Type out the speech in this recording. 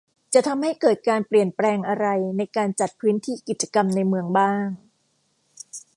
จะทำให้เกิดการเปลี่ยนแปลงอะไรในการจัดพื้นที่กิจกรรมในเมืองบ้าง